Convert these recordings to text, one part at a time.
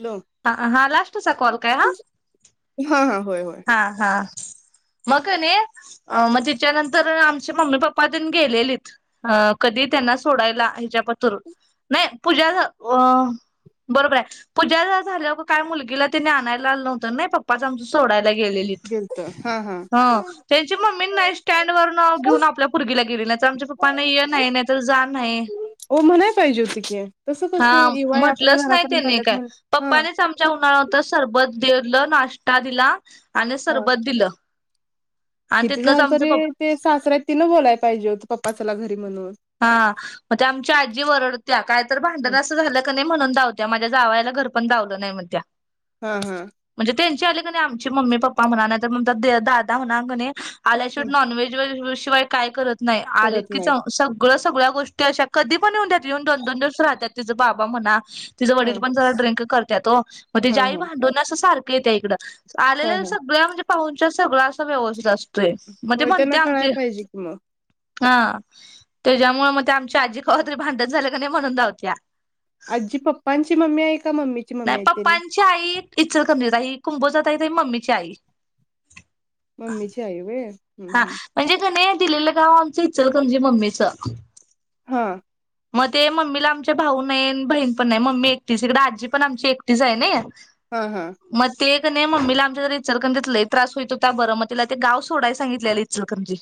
Hello हा लास्टचा call काय हा हा हा होय होय हा. हा. मग कणी. मग तेच्यानंतर आमचे मम्मी-पप्पा तेनी गेलेलीत. कधी सोडायला ह्यांच्या पतुर नाहीं पूजा अ. बरोबर आहे. पूजा ज्या झाल्यावर काय मुलगीला त्यानी आणायला आलं नव्हतं नाही पप्पाच आम गेलेली. गेलत हा हा हो तेंचि मम्मी नई स्टॅन्ड वर्ण घेऊन आपल्या पोरगीला गेली. नाही तिथं आमच्या पप्पांना. ये नाही. नाहीतर जा नाही. हो म्हणाय पाहिजे होती की तसं कसं हा इवाय आपल्या म्हटलंच नाही घरापर्यंत त्यांनी आल्यात काय. म्हण हा पप्पांनीच आमच्या उन्हात नव्हतं. सरबत दिलं नाष्टा दिला. आणि हा सरबत दिलं. आणि किती तिथनंच झालं आमचं तरी पप्पा ते सासरे आहेत. तिनं बोलाय पाहिजे होतं पप्पा चला घरी म्हणून हा मग ते आमच्या आजी वरडत्या. काय तर भांडण असं झालं का नाही. म्हणून दावत्या. माझ्या जावयाला घर पण दावलं नाही म्हणत्या. हम्. हम. त्यांचे आले कणी. आमचे मम्मी-पप्पा म्हणा. नाहीतर दादा म्हणा कनी. आल्याशिवट नॉनव्हेज-बिनवेज शिवाय काय करत नाही. आलेत करत की नाहीत सग सगळं-सगळ्या गोष्टी अशा. कधी पण येऊंदेत येऊन दोन-दोन दिवस राहत्यात तिचं बाबा म्हणा. तिझं ह वडील पण जरा ड्रिंक करत्यात ओ. मग हा तिजी आई हा भांडून असं सारखं येत्या इकडं. हा आलेल्या हा सगळ्या म्हणजे पाहुणचार सगळं असं व्यवस्थित असतो. तोय मग ती होय त्यांना म्हणत्या कळायला आमची. पाहिजे की मग हा त्याच्यामुळं मग ती आमची आजी कवातरी भांडण झालं का नाही म्हणून दावत्या. ह [unintelligible] नाही मम्मी आहे त्यांनी पप्पांची आई इचलकरंजीत हाय. ही कुंभोजात हाय ती मम्मीची आई. मम्मीची आई व्हय? हा हम्म म्हणजे कनी दिलेलं गाव आमचं इचलकरंजी मम्मीचं. हा. मग ते मम्मीला आमच्या भाऊ नाही. आणि बहीण पण नाही. मम्मी एकटीच इकडं आजी पण आमची एकटीच आहे नई. ह. ह. नाही मम्मीला आमच्या जरा इचलकरंजीत लैई त्रास होईत होता. बरं मग तिला ते गाव सोडाय सांगितलेले इचलकरंजी.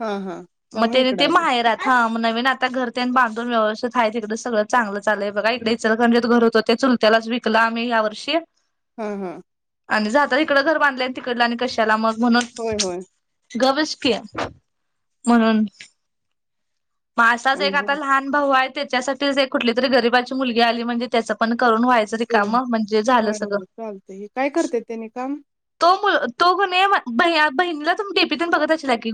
हा हा मग त्यामुळे त्यांनी इकडं ते आले माहेरात हां मग नवीन आता घर तेन बांधून व्यवस्थित आहे तिकडं. सगळं चांगलं चाललंय बघा इकडं इचलकरंजीत घर होत ते चुलत्यालाच विकलं आम्ही. यावर्षी. हम्म. हम्म. आणि जाताना तिकडं घर बांधलंय आणि तिकडलं आणि कशाला मग. होय. होय. गबसकी म्हणून. मग ह असाच एक. आता लहान भाऊ आहे. त्याच्यासाठीच कुठली तरी गरीबाची मुलगी आली म्हणजे त्याचं पण. करून व्हायचं ह रिकामं. म्हणजे झालं होय सगळ. होय चालतंय काय करत्यात त्यांनी काम? तो कणी भैय्या बहिणीला तुम्ही डीपि तेन बघत असशिला की?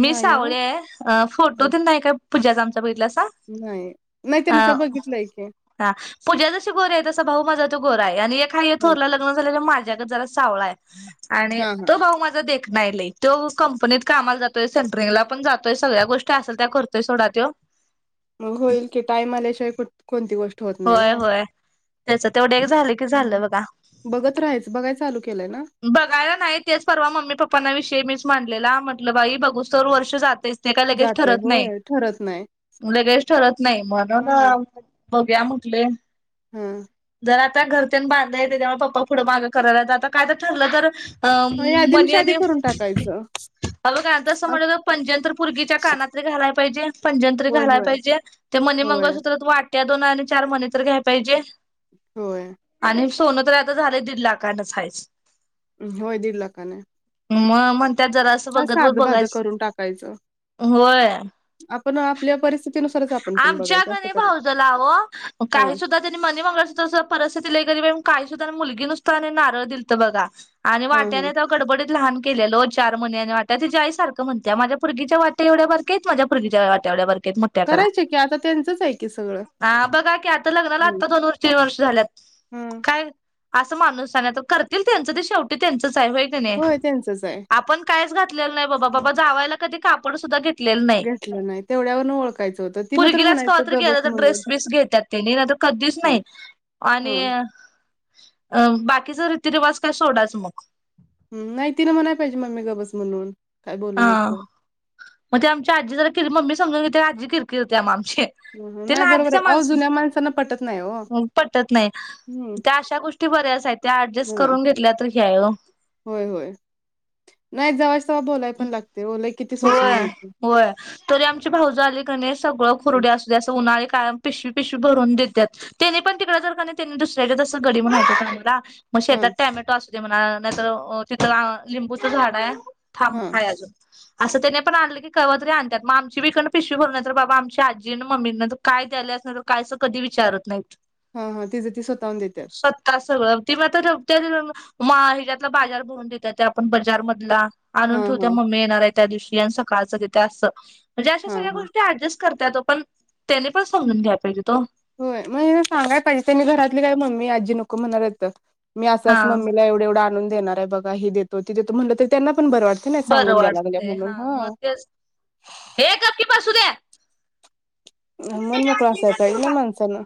मी नाही ओ सावळी आहे. अं फोटो तेन नाही काय पूजाचा आमच्या बघिटलासां. नाही-नाही त्यांचा बघितलाय की. हा पूजा जशी गोरी आहे. तसा भाऊ माझा तो गोरा आहे. आणि एक हाय ह्यो हा थोरला लग्न झाल्याला माझ्यागत जरासं सावळाय हाय. आणि हा हा तो भाऊ माझा दे खणा आहे लैई. तो कंपनीत कामाला जातोय. सेंट्रिंग ला पण जातोय. सगळ्या गोष्टी असल त्या करतो. करतोय सोडा तो. मग होईल की. टाइम आल्याशिवाय कुट कोणती गोष्ट होत नाही ओ. त्याचं तेवढं एक झालं की झालं हम्म बघा. बघत राहायचं बघाय चालू केलंय ना बघायला नाही तेच परवा मम्मी-पप्पांना विषयी मी. मांडलेला म्हटलं बाई बघूस तवर वर्ष जातयच. ते काय लगेच जातंय ठरत नाही. होय ठरत नाही लगेच ठरत नाही म्हणून बघुया म्हटलंय. हम् आता घर तेन बांधलंय त्याच्यामुळं पप्पा पुढं मागं कराल्यात आता काय तर ठरलं तर मग यादी मै शादी करून टाकायचं अगं काय तसं आत म्हटलं तर पैंजण तर पोरगीच्या कानात तर घालायला पाहिजे पंजंण तरी होय घालाय होय पाहिजे ते मनी होय मंगळसूत्रात वाट्या दोन आणि चार मनी तर घ्याय पाहिजे होय.. आणि सोनं तर आता झालंय दीड लाखणच हयाच होय दीड लाखानं मग म्हण त्यात जरा असं बघत बघत भाधं बघायच करून टाकायचं होय आपण आपल्या परिस्थितीनुसारच आपण पण आमच्या बघायचं असं कणी करायचं भावजला अवं हा काही सुद्धा त्यांनी मनीमंगळसुत्र सुद्धा परिस्थितीला लय गरीबं म्हणून काही सुद्धा मुलगी नुसता नारळ दिलत बघा आणि हा हा वाट्याने गडबडीत लहान केलेल चार मणी वाट्या ते तिची आईसारखं म्हणत्या माझ्या पोरगीच्या वाट्या एवढ्या बारक्या हायत माझ्या मुगीच्या वाटया एवढ्या बारक्या हायत. करायचे की आता त्यांचच आहे की सगळं ह बघा की आता लग्नाला हं. आत्ता दोन तीन वर्ष झाल्यात हा काय असं माणूस हाय करतील त्यांच ते शेवटी त्यां च होय कणी होय त्यांचंच आहे. आपण कायच घातलेल नाही. बाबा जावायला कधी कापड सुध्दा घेतलं नाही तेवढ्यावर ओळखयचं होत पोरगीलाच कवा तर गेला तर ड्रेस बीस घेतात्यात तेनी ना तर कधीच ह नाही आणि ह [inaudible] अं बाकीचा रीतीरिवाज काय सोडाच मग नाही तिला म्हणाय पाहिजे मम्मी गबस म्हणून काय बोलू हा नको मग ते आमची आजी जरा केिर मम्मी समजून घेत्या आजी किरकिरत्या आम हं नाही तीला बरोबर आधीच्या आहे अहो जुन्या माणसांना पटत नाही हो माणसान पटत नाही हम्म त्या अशा गोष्टी बऱ्याच आहेत त्या ऍडजस्ट ह करून घेतल्या तर हे हाय ओ होय होय नाही जवाच्या तवा बोलायला पण लागतय वो होय होय तरी आमची भाऊज आली क नाही सगळं खुरड अस द्या अस [unintelligible] कायम पिशवी पिशवी भरून देतात त्यानी पण तिकड जर का त्यांनी पण दुसऱ्याकडे असं गडी म्हणून हायत ओ कामाला मग हा शेतात टॅमॅटो असू दे म्हणा नाहीतर तिथं लिंबूचं झाड आहे. थांब हा आहे अजून असं त्यांनी पण आणलं की कव तरी आणतात मग आमची पण इकडन पिशवी भरणार तर बाबा आमची आजी आणि मम्मी काय द्यायल काय? कधी? असं विचारत नाही. हा हा तीज ती स्वतःहून देतात. सगळं ती मात्र त्या हिच्यातला बाजार भरून देत ते आपण बजारमधला. हा आणून ठेवत हा मम्मी येणार आहे त्या दिवशी आणि सकाळचं तिथे असं म्हणजे अशा हा सगळ्या हा गोष्टी ऍडजेस्ट कर तो पण त्याने पण समजून घ्या पाहिजेत ओ होय मण सांगाय पाहिजे त्यांनी घरातली काय मम्मी आजी नको म्हणणार काय? मी हा असाच मम्मीला एवढ एवढ आणून देणार आहे बघा ही देतो ती देतो म्हटलं तरी त्यांना पण बर वाटते नाही बरं सांगून द्या लागल्या वाटतंय म्हणून हा ह मग तेच हे गप की बसू दे मन मोकळा असाय पाहिजे ना माणसाांनं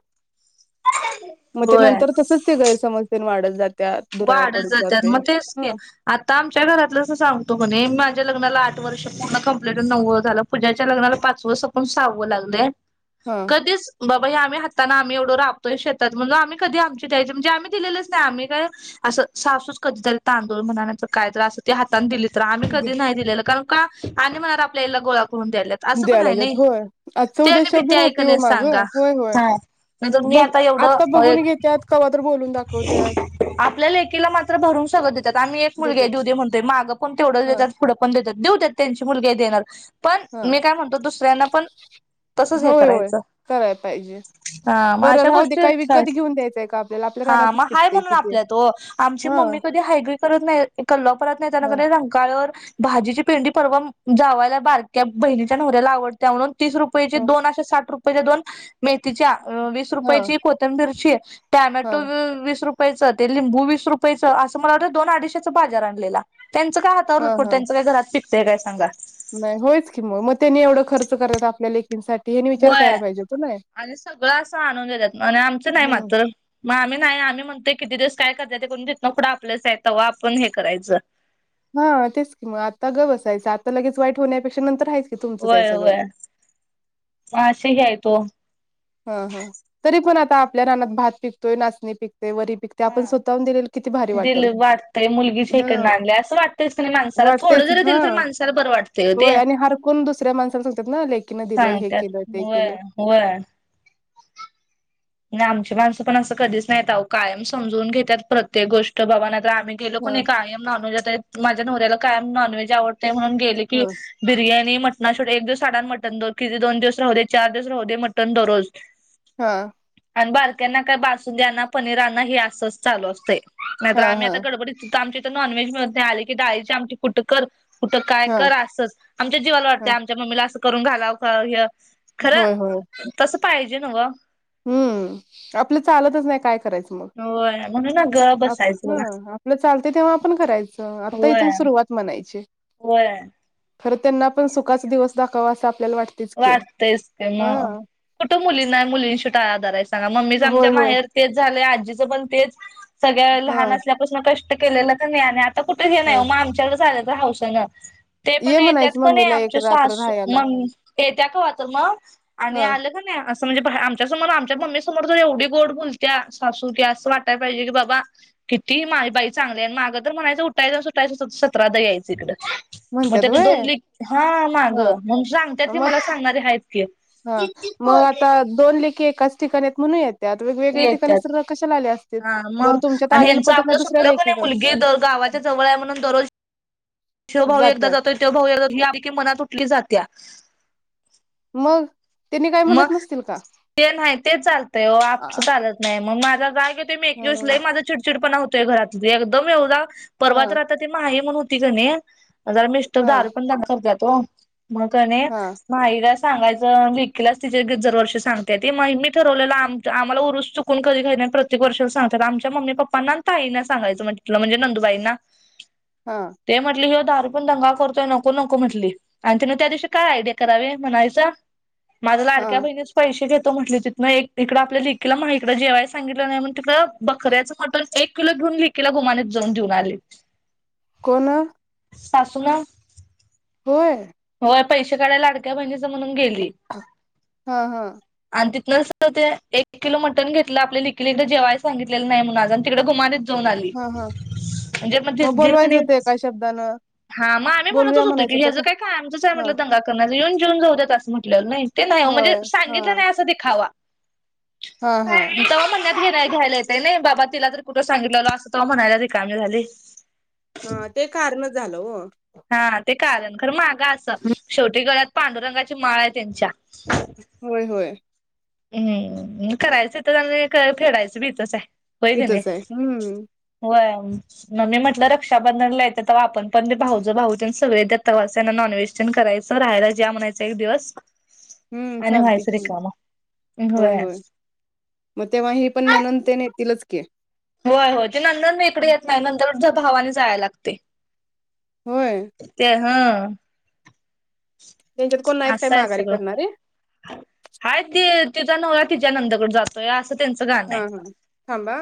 मग त्या होय नंतर तसच ते गैरसमजते वाढत जात्यात दुरावा वाढत पडत जात जातोय मग तेच हा आता आमच्या घरातलंच सांगतो म्हणे मा लग्नाला आठ वर्ष पूर्ण कंप्लीट नवव झालं प पुजाच्या लग्ला पाचव सपून सहावं लागलय हा कधीच? बाबा हे आम्ही हातान आम्ही एवढ राबतोय शेतात म्हणून आम्ही कधी आमची दयायची म्हणजे आम्ही दिले नाही आम् काय असं सासूस कधी जर तांदूळ म्हणा काय तर असं ते हातने दिलीत रा आम्ही कधी नाही दिलेलं कारण का आणि म्हणार आपल्याला आईला गोळा करून द्यायलात असं पण द्याय आहे ना लागल्यात होय आजचा ते उद्या आणि शब्द भीती हाय का राहतोय ओ नाही सांगा मागं होय होय नाहींतर मी बघ आता एवढं हाय बघून घेत्यात कवा तर बोलून दाखवत्यात [inaudible] आपल्या लेकीला मात्र भरून सगळ देतात आम्ही एक मुलगी आहे देत्यात देऊ दे म्हणतोय मागं पण तेवढंच हा देतात पुढं पण देत्यात देऊद्यात त्यांची मुलगी हाय देणार, पण हा मी काय म्हणतो दुसऱ्यांना पण तसंच हे होय, होय करायचं करायला पाहिजे. हा मग बरं अशा राहु दे गोष्टी काही विकत आहेत. घेऊन द्यायचंय का आपल्याला आपल्या हा रानातच मग हाय पिकतंय म्हणून कि ते. आपल्यात ओ, आमची हा मम्मी कधी हायगई करत नाही. कोल्हापुरातन येताना की हा नई रंकाळा भाजीची पेंडी परवा जावायला बारक्या बहिणीच्या नवऱ्याला आवडत्या म्हणून तीस रुपयेची हा दोन अशी साठ रुपयच्या दोन मेथीच्या अं वीस हा रुपयाची कोथंबीरची, हा टोमॅटो वीस रुपयच ते लिंबू वीस रुपयाचं असं मला वाटतं दोन अडीशेच बाजार आणलेला. त्यांचं काय हातावरलं पोट त्यांचं काय घरात पिकतय काय सांगा? बाय. होयच की मग, मग त्यांनी एवढं खर्च करायचा आपल्याला लेक ह्यांनी विचार करायला होय पाहिजे. कुणी आणि सगळं असं आणून देतात आणि आमच नाही हम्म मात्र, मग आम्ही नाही आम्ही म्हणतोय किती दिवस काय करत्यात करून दे तीथनं पुढं आपलंच आहेे, तवा आपण हे करायचं. हा तेच की मग, आता गप्पं बसायचं. आता लगेच वाईट होण्यापेक्षा नंतर हायच की तुमचंच आहे होय, सगळं होय मग अशीे हे हायत ओ. हा, हा तरी पण आता आपल्या रानात भात पिकतोय, नाचणी पिक वरी पिकत्या आपण हा. स्वतःहून दिलेल किती भारी दिल वाटलं. वाटतंय मुलगीच्या इकडनं हं आणल्या असं वाटतंयच की नाही माणसाला थोडं वाटतेच. जरी हा दिलं तरी माणसाला बरं वाटतंय ओ ते. होय आणि हरकून दुसऱ्या माणसाला सांगतात ना लेकीनं दिलं. हे सांगत्यात केलं ते होय, केलं होय. आणि आमची माणसं पण असं कधीच नाहीत अहो कायम समजवून घेतात. प्रत्येक गोष्ट बाबा नाय तर आम्ही गेलो की ह नाही कायम नॉनव्हेज माझ्या नवऱ्याला कायम नॉनव्हेज आवडत त्यामुळं गेलं की ह बिर्याणी की नाही मटण शिवाय एक दिवसांआडान मटन दो किती दोन दिवस राहू दे, चार दिवस राहू दे मटन दररोज. हा. आणि बारक्यानं काय बासुंदी आणा, पनीर आणा हे असंच चालू असतंय. नाही तर हां, आम्ही आता हां, गडबडीत इथे आमच्या इथ नॉनव्हेज मिळत नाही. आली की डाळीची आमटी कुठं कर कुठं काय हां, कर असंच. आमच्या जीवाला वाटतेय हां. आमच्या मम्मीला असं करून घालावं हे खरं होय, होय. तस पाहिजे न्हव? हम्म, आपलं चालतच नाही काय करायचं मग? होय. म्हणून ना गप आप बसायचं हा बघा आपलं चालत तेव्हा आपण करायचं. आत्ता होय इथून सुरुवात म्हणायची. होय. खरं त्यांना पण सुखाचा दिवस दाखवावं अस आप वाटतेयच की, मग कुठं मुलींना मुलीं शेवटी आधारच मम्मीच आमच्या होय, होय. माहेर तेच झालंय, आजीचं पण तेच. सगळ्या लहान हां, असल्यापासनं कष्ट कष्ट केलेलं क नई आणि आता कुठे हे नाही ओ, हां. मग आमच्याकडच आल्या तर हावसनं ते पण ये येत्यात म्हणायचं की नई मम्मीला एक आमचे रात्र सासू राहायला. मम् येत्या कवा तर, मग आणि हां. आलं का नाही असं म्हणजे बाहे आमच्या समोर आमच्या मम्मी समोर तर एवढी गोड बोलत्या सासू की असं वाटाय पाहिजे की बाबा किती माय बाई चांगली आहे. मागं तर म्हणायचं उठायचं सुटायचं आणि सतरादा यायचं इकडं. मग म्हणत्यात त्यात दोन व्हय? ले हा माग हां. म्हण सांगत्यात की मला सांगणारे आहेत की हा मग आता दोन लेकी एकाच ठिकाण आहेत म्हणून येत त्यात वेगवेगळ्या ठिकाणी येतात असत्या तर कशाला आले असतीत. हा बरं मग तुमच्यात आणि आलेल पटत नाही दुसऱ्या लेकीकडं माझ्या जवळ म्हणून दररोज ह्यो भाऊ एकदा जात्यात. जातोय, त्यो भाऊ ही आणखी मनात उठली जात त्या. मग? त्यांनी काय मग म्हणत नसतील का ते नाही ते चालतंय ओ, आमचं हा चालत नाही. मग माझा राग मी एक दिवस हा माझं चिडचिडपणा होतंय घरात. एकदम एवढा परवा तर हा आता ती माही म्हणुन हो ति कनई मग जरा मिस्टर हा दारू पिऊन दंगा करत्यात ओ. म्हणून की नई हा माहीलाच सांगायचं ले लेकीला तिचे गिझर वर्षी सांगते. ती मी ठरवलेलं आम्हाला आम्हाला उरूस चुकून कधी खाईत नाही. प्रत्येक वर्ष सांग आमच्या मम्मी-पप्पा ना ताईना सांगायचं म्हटलं. म्हणजे नंदुबाईंना ते म्हटले की. दारू पिऊन दंगा करतोय नको-नको म्हटली. आणि तीन त्या दिवशी काय आयडिया करावे म्हणायचं. माझं लाडक्या हा बहिणीच पैसे घेत घेतो म्हटलीतित. हिक हिकडं आपल्या लेकीला माही कड. जेवाय सांगितलं नाही मग तिकडे बकऱ्याचं मटण एक किलो घेऊन. घेऊन लेकीला गुमानीत जाऊन देऊन आलीत. कोण? सासुमा. होय. पैसे काढाय लाडक्या बहिनीच म्हणून गेली. हा हा आणि ती तिथंन सरळ ते एक किलो मटन घेतलं. आपल्या लेखीला एक जेवाय सांगितलेलं नाही म्हून आज. आणि तिकडे घुमानीत. जाऊन आली. हा हा म्हणजे मग दीर बोलवायचं कणी. होतं एका शब्दानं हा मग आम्ही म्हणतच बोलूया होतो की म्हणायचं होतं ह्याच का काय काय आमच काय हा म्हटलं दंगा करन. येऊन जेऊन जाऊदेत असं म्हटलं नाही. ते नाही म्हणजे होय हा सांगितलं नाही असं देखावा. हा. हा. नाही घ्यायला येतय नाही बाबा. तिला तर कुठं सांगितलेल असं तो म्हणायला रिकाम झाली. हा ते कारणच झालं हो हा ते कारण. खर मागा असं. शेवटी गळ्यात पांडुरंगाची माळ आहे त्यांच्या. होय-होय. हम्म करायचं तिथंच आणि फेडायचं तिथंच हाय. होय का नाही इथंच आहे हम्म व्हय. मग मी म्हटलं रक्षा बंधनलायं येत्यात तवा. आपण पण भाऊजो भाऊ सगळे जन येतात तेंव्हा तेना नॉनव्हेज करायच. राहायला या म्हणायच एक दिवस आणि व्हायचं रिकाम. होय-होय मग तेव्हा हे पण. नंनद तेन येतीलच की. होय होय ते ननंद बी इकडे येतच नाही. नंदकड भावानेच जायाय लागते. होय. हा. त्यांच्यात कोण नाहीत अस काय हाय माघारी सगळ. करणारे हाय ती. तिचा नवरा तिच्या नंदकड जातोय. असं त्यांचं गाण आहे. हा हा थांबा